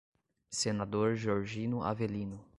Senador Georgino Avelino